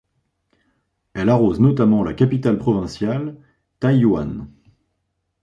Elle arrose notamment la capitale provinciale, Taiyuan.